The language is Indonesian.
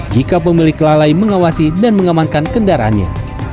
jika pemilik lalai mengawasi dan mengamankan kendaraannya